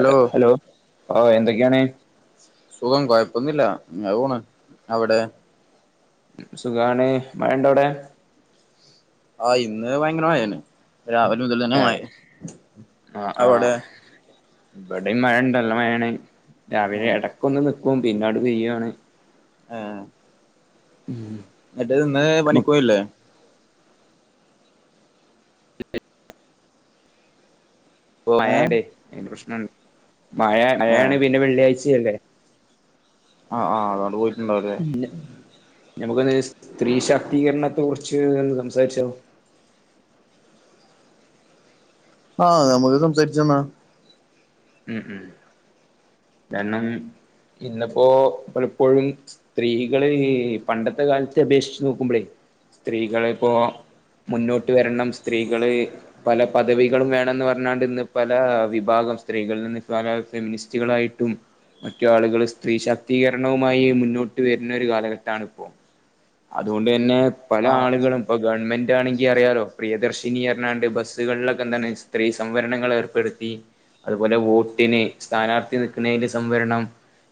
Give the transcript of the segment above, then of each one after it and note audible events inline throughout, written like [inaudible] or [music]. അതെ ഹലോ ആഹ് എന്തൊക്കെയാണ്? സുഖം. കുഴപ്പൊന്നില്ല ഇങ്ങനെ പോണ്. അവിടെ? ഉം സുഖാണ്. മഴണ്ടൊ അവ്ടെ? ആഹ് ഇന്ന് ഭയങ്കര മയന്നെ. രാവിലെ മുതലന്നെ ഏ മഴേ. അവെടെ? ഇവടിം മഴ ണ്ട ല്ല മഴേണ്. രാവിലെ ആഹ് എടക്കൊന്ന് നിക്കും പിന്നാണ്ട് പെയ്യാണ്. ഏഹ് ഉം ഇന്നട്ട് ന്ന് നമുക്കിപ്പോ പണിക്കോയില്ലേ? ഓഹ് ഏഹ് മഴണ്ട്. അയിന്റെ പ്രശ്നണ്ട്. മഴ മഴാണ് ഏഹ് പിന്നെ വെള്ളിയാഴ്ചിയല്ലേ? ആഹ് ആഹ് അതോണ്ട് പോയി. ന നമുക്കൊന്ന് സ്ത്രീ ശാക്തീകരണത്തെ കുറിച്ച് ഒന്ന് സംസാരിച്ചോ. ആഹ് നമുക്ക് സംസാരിച്ചാ ന്നാ ഉം ഉം കരണം ഇന്ന്പ്പോ പലപ്പോഴും സ്ത്രീകള് ഈ പണ്ടത്തെ കാലത്തെ അപേക്ഷിച്ച് നോക്കുമ്പോളേ സ്ത്രീകള്പ്പോ മുന്നോട്ട് വരണം സ്ത്രീകള് പല പദവികളും വേണന്ന് പർഞ്ഞാണ്ട് ഇന്ന് പല വിഭാഗം സ്ത്രീകളിൽ നിന്ന് ഇപ്പൊപറഞ്ഞാ ഫെമിനിസ്റ്റുകളായിട്ടും മറ്റു ആളുകള് സ്ത്രീ ശാക്തീകരണവുമായി മുന്നോട്ട് വെര്ണൊരു കാലഘട്ടണ് ഇപ്പോം അതുകൊണ്ട് തന്നെ പല ആഹ് ആളുകളും ഇപ്പൊ ഗവൺമെന്റ് ആണെങ്കി അറിയാലോ പ്രിയദർശിനിഅർഞ്ഞാണ്ട് ബസ്സുകളിലൊക്കെ എന്താണ് സ്ത്രീ സംവരണങ്ങൾ ഏർപ്പെടുത്തി അതുപോലെ വോട്ടിന് സ്ഥാനാർത്ഥി നിൽക്കുന്നതില് സംവരണം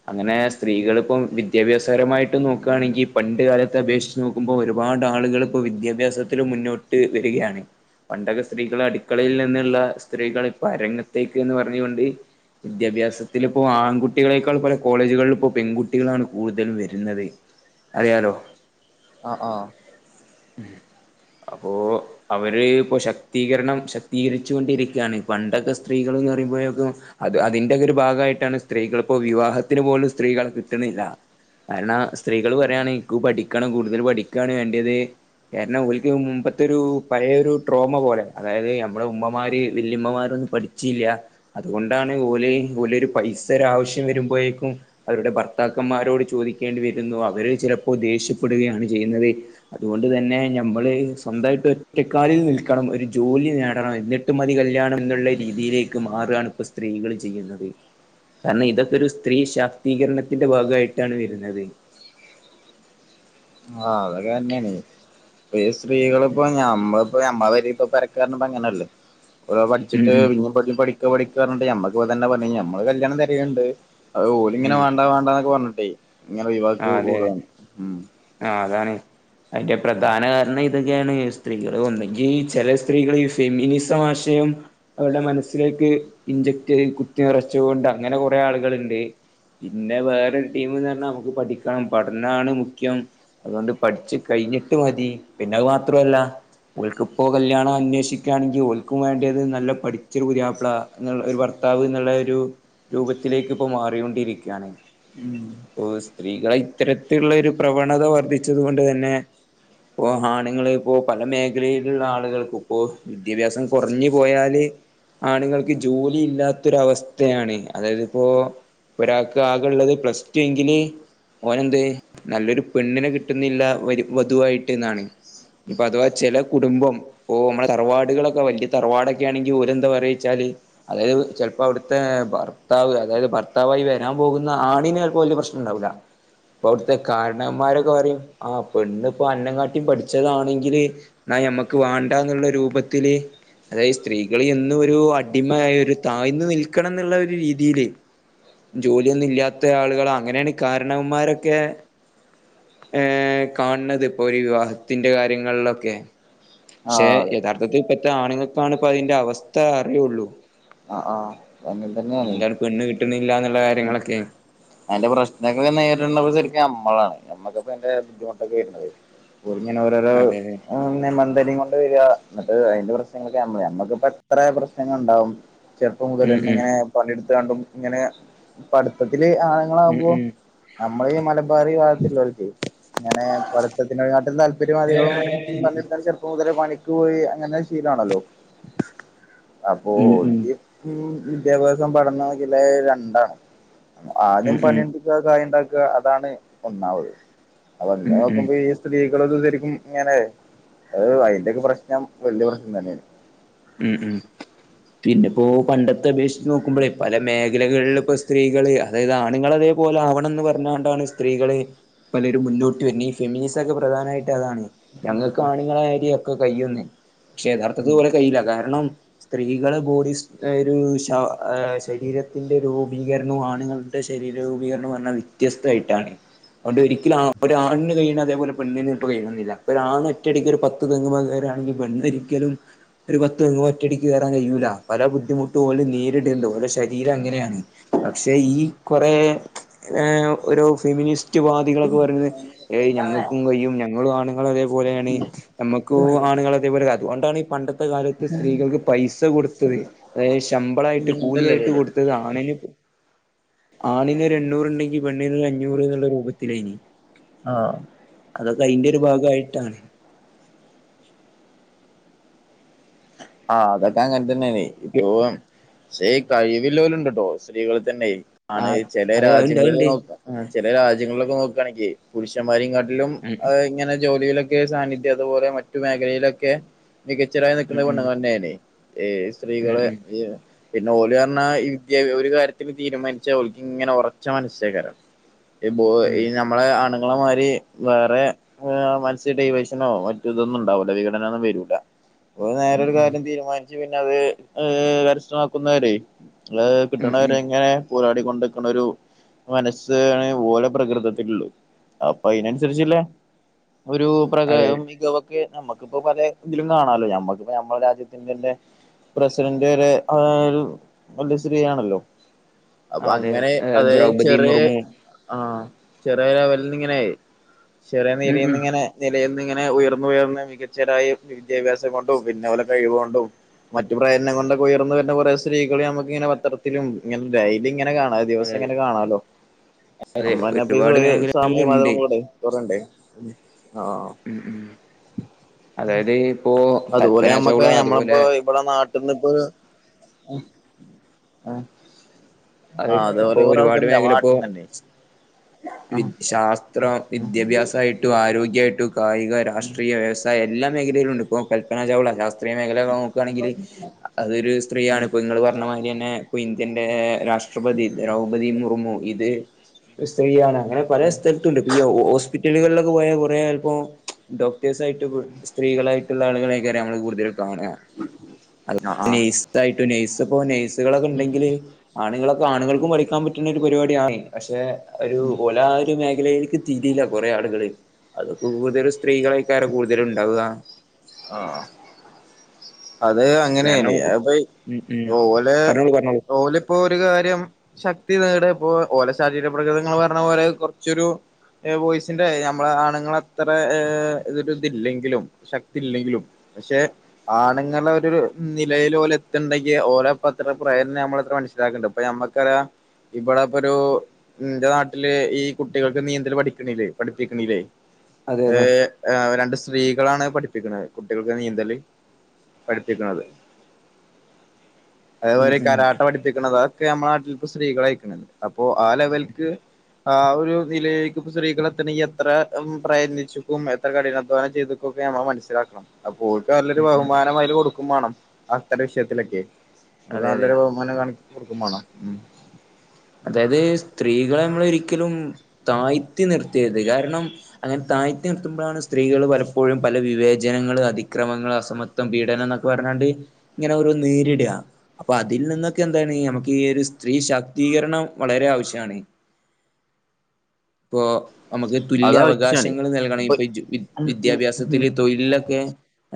അങ്ങനെ സ്ത്രീകള്പ്പം വി ദ്യാഭ്യാസപരമായിട്ടും നോക്കാണെങ്കി ഈ പണ്ട് കാലത്തെ അപേക്ഷിച്ച് നോക്കുമ്പോ ഒരുപാട് ആളുകളിപ്പോ വിദ്യാഭ്യാസത്തിലും മുന്നോ ട്ട് വരികയാണ് പണ്ടൊക്കെ സ്ത്രീകള് അടുക്കളയിൽ നിന്ന്ള്ള സ്ത്രീകൾ ഇപ്പ അരങ്ങത്തേ ക്ക്‌ന്ന് പറഞ്ഞ്കൊണ്ട് വിദ്യാഭ്യാസത്തില് പ്പോ ആൺകുട്ടികളേക്കാൾ പല കോളേജുകളിലും ഇപ്പൊ പെൺകുട്ടികളാണ് കൂടുതലും വെര്ന്നത് അറിയാലോ ആഹ് ആഹ് ഉം അപ്പോ അവര് ഇപ്പോ ശക്തീകരണം ശക്തീകരിച്ചുകൊണ്ടിരിക്കാണ് പണ്ടൊക്കെ സ്ത്രീകള്ന്ന് പറയുമ്പോഴേക്കും അത് അതിന്റെക്കെരു ഭാഗായിട്ടാണ് സ്ത്രീകൾ ഇപ്പോ വിവാഹത്തിന് പോലും സ്ത്രീകളെ കിട്ടുന്നില്ല കാരണം സ്ത്രീകള് പറയാണ് ഇൻക്ക് പഠിക്കണം കൂടുതല് പഠിക്കാണ് വേണ്ടിയേത് കാരണം ഓല്ക്ക് മുമ്പത്തൊരു പഴയൊരു ട്രോമ പോലെ അതായത് നമ്മുടെ ഉമ്മമാര് വെല്ലിമ്മമാര് ഒന്നും പഠി ചീല്യ അതുകൊണ്ടാണ് ഓല് ഓലൊരു പൈസ ഒരാവശ്യം വരുമ്പഴേക്കും അവരുടെ ഭർത്താക്കന്മാരോട് ചോദിക്കേണ്ടി വെരുന്നു അവര് ചിലപ്പോ ദേഷ്യപ്പെടുകയാണ് ചെയ്യുന്നത് അതുകൊണ്ട് തന്നെ ഞമ്മള് സ്വന്തമായിട്ട് ഒറ്റക്കാലിൽ നിൽക്കണം ഒരു ജോലി നേടണം എന്നി ട്ട് മതി കല്യാണം എന്നുള്ള രീതിയിലേക്ക് മാറാണ് ഇപ്പോ സ്ത്രീകള് ചെയ്യുന്നത് കാരണം ഇതൊക്കെ ഒരു സ്ത്രീ ശാക്തീകരണത്തിന്റെ ഭാഗായിട്ടാണ് വെര്ന്നത് ആഹ് അതൊക്കെ തന്നേണ് ഇപ്പ ഈ സ്ത്രീകളിപ്പോ ഞമ്മള് പ്പൊ ഞമ്മളെ പെരീ പ്പൊ പെരക്കര്നുംപ്പ അങ്ങനല്ലേ ഒരഹ് ഉം പഠിച്ചിട്ട് ഉം പിന്നിം പറ്റി പഠി ക്കാ പഠിക്കാർഞ്ഞിട്ട് ഞമ്മക്കിപ്പോതന്നെ പണി ഞമ്മള് കല്യാണം തെരീണ് ണ്ട് അത് ഓല്ങ്ങനെ ഉം വാണ്ടാ വാണ്ടാന്നൊക്കെ പറഞ്ഞിട്ടേയ് ഇങ്ങനെ ഒഴിവാക്കി ആ അതെ അതെ വിടാണ് ഉം ആഹ് അതാണ് അയ്ന്റെ പ്രധാന കാരണിതൊക്കേണ് സ്ത്രീകള് ഒന്നെങ്കീ ചെല സ്ത്രീകള് ഇഫ് ഫെമിനിസ മാശയം അവരുടെ മനസ്സിലേക്ക് ഇഞ്ചക്ട് ചെയ് കുത്തി നെറച്ചത്കൊണ്ട് അങ്ങനെ കുറേ ആള്കള്ണ്ട് പിന്നെ വേരൊര് ടീമ്ന്ന് പറഞ്ഞാ നമ്മക്ക് പഠിക്കണം പഠനാണ് മുഖ്യം അത്കൊണ്ട് പഠിച്ച് കഴിഞ്ഞിട്ട് മതി പിന്നെ അത് മാത്രോല്ല ഓൽക്ക്പ്പോ കല്യാണ അന്വേഷിക്കാണെങ്കി ഓൽക്കും വേണ്ടത് നല്ല പഠിച്ചൊരു പുതിയാപ്ലാ അങ്ങനെള്ള ഒരു ഭർത്താവ്ന്ന്ള്ള ഒരു രൂപത്തിലേക്ക് ഇപ്പൊ മാറിങ്ങോണ്ടിരിക്കാണ് ഉം ഓഹ് സ്ത്രീകളെ ഇത്തരത്തിലുള്ള ഒരു പ്രവണത വർദ്ധിച്ചത് കൊണ്ട് തന്നെ ഇപ്പൊ ഹാണ്ങ്ങള് ഇപ്പോ പല മേഖലയില്ള്ള ആളുകൾക്കുപ്പോ വിദ്യാഭ്യാസം കൊർഞ്ഞ് പോയാല് ആണ്ങ്ങൾക്ക് ജോലി ഇല്ലാത്തൊരവസ്ഥയാണ് അതായത് ഇപ്പോ പ്പൊ ഒരാക്ക് ആകെള്ളത് പ്ലസ് ടു എങ്കില് ഓനെന്ത് നല്ലൊരു പെണ്ണിനെ കിട്ടുന്നില്ല വരു വധുവായിട്ട്ന്നാണ് ഇപ്പ അഥവാ ചെലെ കുടുംബം ഓഹ് ഇമ്മളെ തറവാട്കളൊക്കെ വല്ല്യ തറവാടൊക്കെ ആണെങ്കി ഓലെന്താ പറയേച്ചാല് അതായത് ചെൽപ്പോ അവിട്ത്തെ ഭർത്താവ് അതായത് ഭർത്താവായി വെരാൻ പോവുന്ന ആണിനെ പ്പോ വല്ല്യ പ്രശ്നണ്ടാവൂല്ല പ്പോ അവ്ട്ത്തെ കാരണവന്മാരെക്കെ പറിം ആഹ് പെണ്ണ്പ്പൊ അന്നങ്ങാട്ടിം പഠിച്ചതാണെങ്കില് ഇന്നാ ഞമ്മക്ക് വാണ്ടാന്ന്ള്ള രൂപത്തില് അതായെ സ്ത്രീകള് എന്നൊരു അടിമയായൊരു താഴ്ന്നു നിൽക്കണന്ന്ള്ളൊര് രീതീല് ജോലിയൊന്നും ഇല്ലാത്ത ആളുകളാ അങ്ങനേണ് കാരണവന്മാരെക്കെ ഏഹ് കാൺണത് ഇപ്പൊര് വിവാഹത്തിന്റെ കാര്യങ്ങള്ലൊക്കെ ക്ഷേ ആഹ് അതെ യഥാർ ത്ഥത്തിൽ പെട്ട ആണ്ങ്ങക്കാണ് ഇപ്പ അയിന്റെ അവസ്ഥ അറിയോള്ളു ആഹ് ആഹ് അങ്ങനെ തന്നെയാണ് എന്താണ് പെണ്ണ് കിട്ട്ണില്ലാന്ന്ള്ള കാര്യങ്ങളെക്കെ അയ്ന്റെ പ്രശ്നങ്ങള് നേരിട്ണവര് ശരിക്ക് ഞമ്മളാണ് ഞമ്മക്കാ ഇപ്പയ്ന്റെ ബുദ്ധിമുട്ടൊക്കെ വെര്ണത് ഓല് ഇങ്ങനെ ഓരോരോ അതെ അതെ ആഹ് പിന്നെ മന്തലീ മ പ്പവര്യാ എന്നിട്ട് അയ്ന്റെ പ്രശ്നങ്ങളൊക്കെ ഞമ്മള് ഞമ്മക്ക്പ്പെത്രേ പ്രശ്നങ്ങള് ഇണ്ടാവും ചെർപ്പം ഉം മുതലന്നെ ഉം ഇങ്ങനെ പണിട്ത്ത്ക്കാണ്ടും ഇങ്ങനെ പഠ്ത്തത്തില് ആഹ് ഉം ഉം ഞമ്മളീ മലബാറി ഭാത്ത് ഇല്ലോല്ക്കെ ഇങ്ങനെ പഠിത്തത്തിനേക്കാട്ടിം താല്പര്യം അധികവും പണിയിട് ക്കാൻ ചെറുപ്പം മുതലേ പണിക്ക് പോയി അങ്ങനെ ശീലാണല്ലോ ഉം അപ്പോൾ ഉം ഉം വിദ്യാഭ്യാസം പഠനോക്കില്ലെ രണ്ടാണ് ഉം ആദ്യം ഉം പണിട് ക്കാ കായിണ്ടാക്കാ അതാണ് ഒന്നാമത് ഉം അതന്നെ ഉം നോക്കുമ്പോ ഈ സ്ത്രീകളൊക്കെ ശരിക്കും ഇങ്ങനെ അഹ് അയിന്റൊക്കെ പ്രശ്നം വല്ല്യോ പ്രശ്നം തന്നേണ് ഉം ഉം പിന്നെപ്പോ പണ്ടത്തെ അപേക്ഷിച്ച് നോക്കുമ്പഴേ പല മേഖലകള്ല്പ്പോ സ് ത്രീകള് അതായത് ആണ്ങ്ങളെ അതേപോലെ ആവണന്ന് പറഞ്ഞാണ്ടാണ് സ്ത്രീകള് പലരും മുന്നോട്ട് വെര്നെ ഫെമിനിസൊക്കെ പ്രധാനായിട്ട് അതാണ് ഞങ്ങക്ക് ആണ്ങ്ങളാരി ഒക്കെ കയ്യുംന്ന് പക്ഷേ യഥാർത്ഥത്തി ഓലെ കയ്യീല്ല കാരണം സ്ത്രീകള് ബോഡിസ് [unintelligible] ശ ആഹ് ശരീരത്തിന്റെ രൂപീകരണു ആണുങ്ങള് ടെ ശരീര രൂപീകരണോം പറ്ഞ്ഞാ വ്യത്യസ്തായിട്ടാണ് അവോണ്ട് ഒരിക്കലും ആഹ് ഒരാണ്ന് കയ്യ്ണ അതെപോലെ പെണ്ണിന് ചെലപ്പം കയ്യണെന്നില്ല ഇപ്പൊരാണ് ഒറ്റടിക്കൊര് പ ത്ത് തെങ്ങ്മ്മ കേറാണെങ്കി പെണ്ണൊരിക്കലും ഒരു പത്ത് തെങ്ങ്മ്മേ ഒറ്റടിക്ക് കേറാൻ കഴിയൂലാ പല ബുദ്ധിമുട്ടും ഓല് നേരിട്ണ്ട് ഓലെ ശരീരം അങ്ങനെയാണ് അ ക്ഷേ ഈ കൊറേ ഏഹ് ഒരു ഫെമിനിസ് റ്റ്‌ വാദികളൊക്കെ പറയുന്നത് ഏയ് ഞങ്ങക്കും കയ്യും ഞങ്ങളും ആണുങ്ങളെ അതേപോലേണ് ഞമ്മക്കൂ ഒരു മൈലാഞ്ചി ആണുങ്ങളെ അതേപോലെ [unintelligible] അവോണ്ടാണ് പണ്ടത്തെ കാലത്ത് സ്ത്രീകൾക്ക് പൈസ കൊട്ത്തത് അതായത് ശമ്പളായിട്ട് കൂലിയായിട്ട് കുഞ്ഞുങ്ങളുണ്ടല്ലേ കൊടുത്തത് ആണിന് ആണിന് ഒരു എണ്ണൂറ്ണ്ടെങ്കി പെണ്ണിന് ഒരു അഞ്ഞൂറ് ന്ന്ള്ളെ രൂപത്തിലേനി ആഹ് അതൊക്കെ അയിന്റെരു ഭാഗായിട്ടാണ് ആഹ് അതൊക്കെ അങ്ങത്തന്നേണ് ഇപ്പൊ ക്ഷേ ഈ കഴിവില്ലോല്ണ്ട്ട്ടോ സ്ത്രീകളിത്തന്നെ ആ ആണെ ചെലെ അതെ അത്ണ്ട് രാജ്യങ്ങളില് അത്ണ്ട് നോക്ക ആഹ് ചെലെ രാജ്യങ്ങള്ലൊക്കെ നോക്കാണെങ്കെ പുരുഷന്മാരേങ്ങാട്ടിലും അഹ് ഇങ്ങനെ ജോലിയിലൊ ക്കെ സാന്നിധ്യം അത്പോലെ മറ്റു മേഖലയിലൊക്കെ മികച്ചതായി ഉം നിക്ക്ന്നെ ഉം പെണ്ണ്ങ്ങന്നേന്നി ഏഹ് സ് ഉം സ്ത്രീകളെ ഉം ഉം [unintelligible] പിന്നെ ഓല് പർഞ്ഞാ ഈ [unintelligible] ഒരു കാര്യത്തിന് തീരുമാനിച്ച ഓലക്ക് ഇങ്ങനെ ഒറച്ച മനസ്സേക്കാരം ഉം ഈ നമ്മളെ ആണുങ്ങളെ മാരി വേറെ ആ മനസ്സ്യന് ഡീവിയേഷനോ മറ്റു ഇതൊന്നും ഇണ്ടാവുല്ല വിഘടന ഒന്നും വരൂല്ല അ ഉം നേരെരു ഉം കാര്യം തീരുമാനിച്ച് പിന്നെ അത് ഏ കരസ്ഥമാക്കുന്നവരെ ല് ഉം ഉം കിട്ടണവരെങ്ങനെ പോരാടി കൊണ്ടക്കണരു മനസ്സാണ് ഓലെ പ്രകൃതത്തിലള് അപ്പൊ അയിനനുസരിച്ചില്ലേ ഒരു പ്രകാ അതെ മികവൊക്കെ നമുക്കിപ്പോ പല തിലും കാണാലോ ഞ നമുക്കിപ്പ നമ്മടെ രാജ്യത്തിന്റെ ന്റെ പ്രസിഡന്റ് വരെ ഏ ന്നെ സ്ത്രീയാണല്ലോ അപ്പ അതെ അങ്ങനെ അത് ദ്രൗപതി ചെറിയെ മുർമു ആ ചെറിയ ലെവല നിന്നിങ്ങനെ ചെറിയ ഉം ഉം നേരിന്നിങ്ങനെ നിലയിന്ന് ഇങ്ങനെ ഉയർന്ന് മികച്ചതായി വിദ്യാഭ്യാസം കൊണ്ടും പിന്നെ ഓലെ കഴിവോണ്ടും മറ്റു പ്രേയത്ന കൊണ്ടൊക്കെ ഉയർന്ന് വർന്ന കുറെ സ്ത്രീകള് നമുക്ക് ഇങ്ങനെ പത്രത്തിലും ഇങ്ങനെ ഡെലി ഇങ്ങനെ കാണാ അതെ ദിവസം അതെ ഇങ്ങനെ കാണാലോ അതെ ഒരുപാട് നമ്മങ്ങതന്ന സാമ്യമാ മേഖലകളിലുണ്ട് കൂടെ ര്ണ്ടേ ആഹ് അതായത് ഇപ്പോ അതുപോലെ കൽപ്പന നമ്മക്ക് ചൗള അതുപോലെ നമ്മളിപ്പോ മ്മടെ നാട്ടന്ന് ഇപ്പൊ അത് ഇപ്പൊ ഒരുപാട് മേഖല ഇപ്പോ നാട്ടിന്നന്നെ വി ശാസ്ത്ര വിദ്യാഭ്യാസായി ആരോഗ്യയിട്ടും കായിക രാഷ്ട്രീയ വ്യവസായം എല്ലാ മേഖലയിലുണ്ട് ഇപ്പോ കൽപ്പന ചൗള റേ മേഖലകള് നോക്കുക്കാണെങ്കില് അതൊരു സ്ത്രീയാണ് പ്പ ങ്ങള് ർഞ്ഞമാരിന്നെ ഇന്ത്യന്റെ രാഷ്ട്രപതി ദ്രൗപതി മുർമു ഇത് രു സ്ത്രീയാണ് അങ്ങനെ പല സ്ഥല ണ്ട്പ് ഹോസ്പിറ്റലുകളിലൊക്കെ പോയാ കൊറേ അല്പ്പം ഡോക്ടേഴ് ആയിട്ട് സ്ത്രീകളായിട്ട്ള്ള ആളുകളേക്ക നമ്മള് കൂടുതൽ കാണ അ ആഹ് ഈ ആഹ് തായിട്ടും നഴ്സ്പ്പോ നഴ്സുകളൊക്കെണ്ടെങ്കില് ആണുങ്ങളൊ ആണുങ്ങൾക്കും പഠിക്കാൻ പറ്റണ ഒരു പരിപാടിയാണ് പക്ഷെ ഒരു ഒലാ മ മേഖലയിലേക്ക് തിരില്ല കുറെ ആളുകള് അതൊക്കെ കൂടുതലും സ്ത്രീകളൊക്കാര കൂടുതലും ഇണ്ടാവ ആഹ് അത് അങ്ങനേന് കാരണം അപ്പ ഉം ഉം ഓലെ പറഞ്ഞോളൂ പറഞ്ഞോളൂ ഓല് ഇപ്പൊ ഒരു കാര്യം ശക്തി നേട ഇപ്പോ ഓല ശാരീരിക പ്രകൃതങ്ങൾ ങ്ങള് പർഞ്ഞ പോലെ കൊർച്ചൊരു ബോയ്സിന്റെ നമ്മളെ ആണുങ്ങൾ അത്രരു ഇതില്ലെങ്കിലും ശക്തി ഇല്ലെങ്കിലും പക്ഷെ ആണുങ്ങളെ ഒരു നിലയില് ഒലെത്തണ്ടെങ്കി ഓലെ അത്ര പ്രെയത്നം നമ്മളത്ര മനസ്സിലാക്കണ്ടത് ഇപ്പ മ്മക്കാ ഇബടെപ്പൊ ഒരു ഇന്റെ നാട്ടില് ഈ കുട്ടികൾക്ക് നീന്തൽ പഠിക്കല് പഠിപ്പിക്കണിലെ അതെ ഏ അതെ ഏ രണ്ട് സ്ത്രീകളാണ് പഠിപ്പിക്കണത് കുട്ടികൾക്ക് നീന്തൽ പഠിപ്പിക്കണത് ഉം അതപോലെ ഉം കരാട്ട പഠിപ്പിക്കണത് ക്കെ നമ്മള നാട്ടിലിപ്പോ സ്ത്രീകളയ്ക്കണ അപ്പൊ ആ ലെവൽക്ക് ആ ഒരു നിലയിലേക്ക് ഇപ്പം സ്ത്രീകളെത്തണെങ്കി എത്ര പ്രയത്നിച്ക്കും എത്ര കഠിനാധ്വാനം ചെയ്തു. ക്കെ നമ്മ മനസിലാക്കണം അപ്പോ ഓല്ക്ക ഉം ഉം ബഹുമാനം അയിൽകൊടുക്കും വേണം അത്തരവിഷയത്തിലൊക്ക്യേ അതെ അതെ നല്ലൊരു ണിച് കൊടുക്കുമാണം. അതായത് സ്ത്രീകളെ നമ്മള് ഒരിക്കലും താഴ്ത്തി നിർത്തര്ത് കാരണം. അങ്ങനെ താഴ്ത്തി നിത്തുമ്പോഴാണ് സ്ത്രീകള് പലപ്പോഴും പല വിവേചനങ്ങള് അതിക്രമങ്ങൾ അസമത് തം പീഡനംന്നൊക്കെ പറഞ്ഞാണ്ട് ഇങ്ങനെ ഒരോന്ന് നേരിടാ. അപ്പൊ അതിൽ നിന്നൊക്കെ എന്താണ് നമ്മക്ക് ഈ ഒരു സ്ത്രീ ശാ ദ്ധീകരണം വളരെ ആവശ്യാണ്. ഇപ്പൊ നമ്മക്ക് തുല്യ അവകാശങ്ങള് നൽകണേൽ ഇപ്പൊ എജു വിദ്യ ഉം ഉം വിദ്യാഭ്യാസത്തില്. തൊഴിലിലൊക്കെ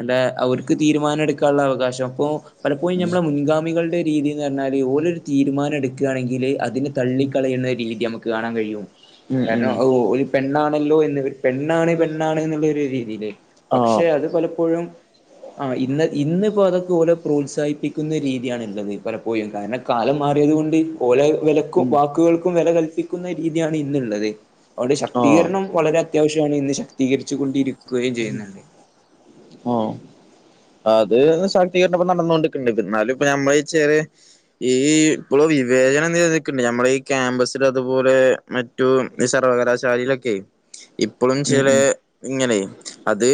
ന്താ അവർക്ക് തീരുമാനം എടുക്കാള്ള അവകാശം അപ്പൊ പലപ്പോഴും ഞമ്മളെ മുൻഗാമികൾടെ രീതീന്ന് പറഞ്ഞാല് ഓലൊരു തീരുമാനെടുക്കാണെങ്കില് അതിന് തള്ളിക്കളയുന്ന രീതി ഞമ്മക്ക് കാണാൻ കഴിയും ഉം ഉം കാര്ണം ഔ ഒരു പെണ്ണാണല്ലോ എന്ന് പെണ്ണാണ് പെണ്ണാണ് എന്നുള്ളരു രീതീല് പക്ഷെ ആഹ് അത് പലപ്പോഴും ആഹ് ഇന്ന് ഇന്നിപ്പോ അതൊക്കെ ഓല പ്രോത്സാഹിപ്പിക്കുന്ന രീതിയാണ് ള്ളത് പലപ്പോയും കാര്ണം കാലം മാറിയത്കൊണ്ട് പോലെ വെലക്കും ഉം വാക്കുകൾക്കും വെല കൽപ്പിക്കുന്ന രീതിയാണ് ഇന്നുള്ളത് അതൊണ്ട് ആഹ് ശക്തീകരണം വളരെ അത്യാവശ്യമാണ് ഇന്ന് ശക്തീകരിച്ചുകൊണ്ടിരിക്കുകയും ചെയ്യുന്നത്. ആഹ്. അത് ശാക്തീകര്ണം ഇപ്പ നടന്നോണ്ട്‌ക്ണ്ട് പ്പന്നാലും ഇപ്പ ഞമ്മളെ ചെറിയേ ഈ ഇപ്പോളും വിവേചനം നിലനിക്ക്ണ്ട് ഞമ്മള ഈ ക്യാമ്പസില് അതുപോലെ മറ്റു സർവകലാശാലയിലൊക്കെ ഇപ്പോളും ഉം ചെലേ ഇങ്ങനെയ് അത്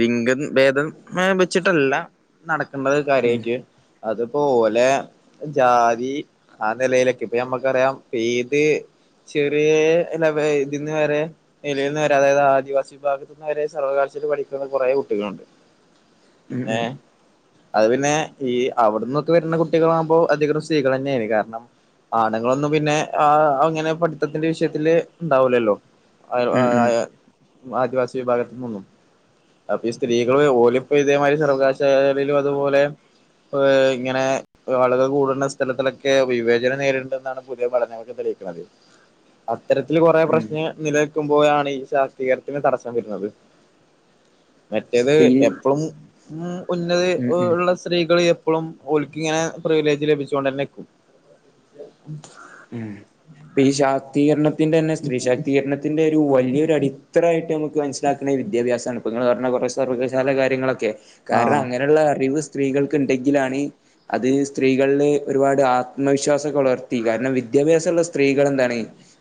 ലിംഗം ഭേദം വെച്ചിട്ടല്ല നടക്കണ്ടത് ഉം കാര്യായിട്ട് അത് പ്പോലെ ജാതി ആഹ് നെലയിലൊക്കെ ഇപ്പ ഞമ്മക്കറിയാം ഏത് ചെറിയേ ഇതിന്ന് വരെ നിലയിൽന്ന് വരെ അതായത് ആദിവാസി വിഭാഗത് അവരെ സർവ്വകാലഷേല് പഠിക്കുന്ന കൊറെ കുട്ടികളുണ്ട് ഉം ഉം ഏഹ്. അത് പിന്നെ ഈ അവ്ടെന്നൊക്കെ വരുന്ന കുട്ടികളാകുമ്പോ അധികനും സ്ത്രീകളെന്നേണ് കാര്ണം ആണുങ്ങളൊന്നും പിന്നെ ആ അങ്ങനെ പഠിത്തത്തിന്റെ വിഷയത്തില് ഉണ്ടാവൂലല്ലോ. ആഹ് ഉം ഉം ആ ഉം ആദിവാസി വിഭാഗത്ത് നിന്നും. അപ്പൊ ഈ സ്ത്രീകള് ഓലിപ്പോ ഇതേമാതിരി സർവകാശാലയിലും അതുപോലെ ഓ ഇങ്ങനെ ആളുകൾ കൂടുന്ന സ്ഥലത്തിലൊക്കെ വിവേചനം നേരിടണ്ടെന്നാണ് പുതിയ പഠനങ്ങൊക്കെ തെളയികണത്. അത്തരത്തില് കൊറെ ഉം ഉം പ്രശ്ന നിലനിൽക്കുമ്പോഴാണ് ഈ ശാസ്ത്രീകരണത്തിന് തടസ്സം വരുന്നത്. മറ്റേത് ഇപ്പ ഈ എപ്പളും ഉം ഉന്നതി ഉം ഉം ഉള്ള സ് സ്ത്രീകള് എപ്പളും ഒല്ക്കിങ്ങനെ പ്രിവിലേജ് ലഭിചോണ്ടന്നെക്കും. ഉം പ്പേ ഈ ശാക്തീകരണത്തിന്റെ ന്നെ സ്ത്രീ ശാക്തീകര്ണ ത്തിന്റെ ഒരു വല്യോരു അടിത്തറായിട്ട് നമുക്ക് മനസ്സിലാക്ണെ വിദ്യാഭ്യാസാണ്. പ്പ ങ്ങള് പർഞ്ഞ കൊറേ സർവകശാല കാര്യങ്ങളൊക്കെ കാര്ണം ആഹ് അങ്ങനെള്ള അറിവ് സ്ത്രീകൾക്ക് ഇണ്ടെങ്കിലാണ് അത് സ്ത്രീകൾല് ഒരുപാട് ആത്മവിശ്വാസൊക്കെ വളർ ത്തി കാര്ണം വിദ്യാഭ്യാസള്ള സ്ത്രീകളെന്താണ്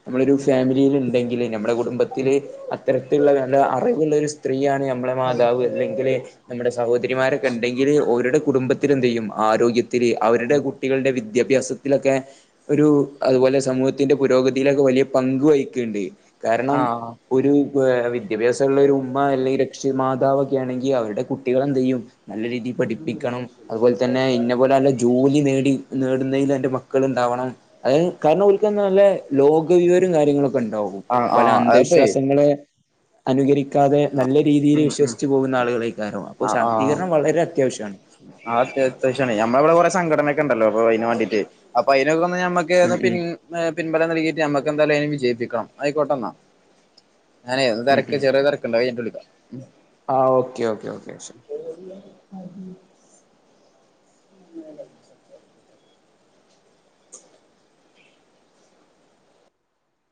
നമ്മളരു ഫാമിലിയില് ഇണ്ടെങ്കില് നമ്മടെ കുടുംബത്തില് അത്തരത്തിലുള്ള നല്ല അറിവുള്ള ഒരു സ്ത്രീയാണ് ഞമ്മളെ മാതാവ് അല്ലെങ്കില് നമ്മടെ സഹോദരിമാരൊക്കെ ഇണ്ടെങ്കില് ഓരുടെ കുടുംബത്തിലെന്തയ്യും ആരോഗ്യത്തില് അവരുടെ കുട്ടികൾടെ വി വിദ്യാഭിാസത്തിലൊക്കെ ഒരു അതുപോലെ സമൂഹത്തിന്റെ പുരോഗതിയിലൊക്കെ വലിയ പങ്ക് വഹിക്ക്ണ്ട് കാര്ണം ആഹ് ഒരു വിദ്യാഭ്യാസള്ള ഒരു ഉമ്മ അല്ലെങ്കില് രക്ഷി മാതാവൊക്കെ ആണെങ്കി അവര്ടെ കുട്ടികള് എന്ത്യ്യും നല്ല രീതി പഠിപ്പിക്കണം അതുപോലെ തന്നെ ഇന്നെ പോലെ നല്ല ജോലി നേടി നേടുന്നയില് എന്റെ മക്കള് ഇണ്ടാവണം. അയ് കാര്ണം ഒൽക്കുന്ന നല്ലേ ലോക വിവരം കാര്യങ്ങളൊക്കെണ്ടാവും. ആഹ് പല ആഹ് അത്പ്പേ അന്ധവിശ്വാസങ്ങള് അനുകരിക്കാതെ നല്ല രീതിയില് ഉം ഉം വിശ്വസിച്ച് പോകുന്ന ആളുകളേയ്ക്കാരം അപ്പോ ശാക്തീകരണം വളരെ അത്യാവഷ്യാണ്. ആത്യാച്ച്യണ നമ്മളെ വടെ കൊറെ സംഘടന ഒക്കെണ്ടല്ലോ പൊ അയ്ന് വേണ്ടീട്ട് അപ്പ അയിനൊക്കൊന്ന് ഞമ്മ ഉം ഏത് പിൻ ഉം എഹ് പിൻബലം നൽകിട്ട് നമ്മക്കന്തായാലും അയിന് വിജയിപ്പിക്കണം ആയിക്കോട്ടെന്നാ ഞാനേ ഉം തെരക്ക് ചെറിയ തെരക്കുണ്ട് അത്കഴിഞ്ഞിട്ട് വിളിക്കാം ആഹ് ഓക്കേ ഓക്കേ ഓക്കെശെരി [inaudible] [inaudible]